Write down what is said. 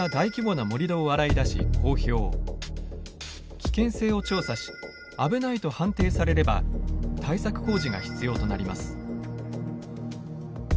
危険性を調査し危ないと判定されれば対策工事が必要となります。